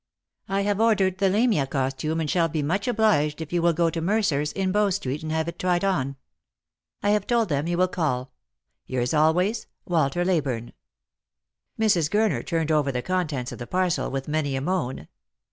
I have ordered the Lamia costume, and shall be much obliged if you will go to Mercer's, in Bow street, and have it tried on. I have told them you will call. — Yours always, "Waxter Leybtirne." Mrs. Gurner turned over the contents of the parcel with many a moan.